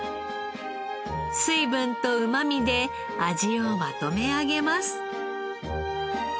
水分とうまみで味をまとめ上げます。